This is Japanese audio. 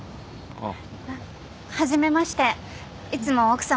ああ。